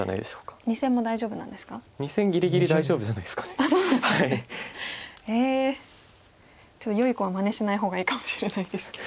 ちょっとよい子はまねしない方がいいかもしれないですけど。